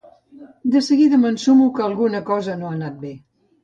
De seguida m'ensumo que alguna cosa no ha anat bé.